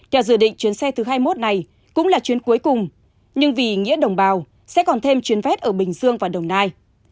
theo dự định chuyến xe thứ hai mươi một này cũng là chuyến cuối cùng nhưng vì nghĩa đồng bào sẽ còn thêm chuyến vét ở bình dương và đồng nai